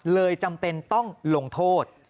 จำเป็นต้องลงโทษ